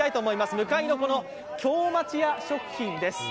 向かいの京町屋食品です。